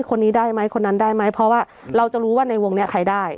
คนนี้ได้ไหมคนนั้นได้ไหมเพราะว่าเราจะรู้ว่าในวงนี้ใครได้